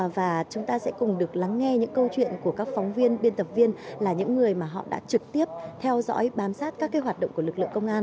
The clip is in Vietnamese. và chúng ta sẽ cùng được lắng nghe những câu chuyện của các phóng viên biên tập viên là những người mà họ đã trực tiếp theo dõi bám sát các hoạt động của lực lượng công an